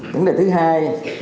vấn đề thứ hai